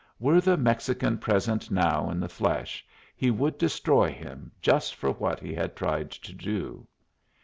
Were the Mexican present now in the flesh, he would destroy him just for what he had tried to do.